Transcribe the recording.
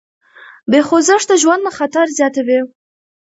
بې خوځښته ژوند خطر زیاتوي.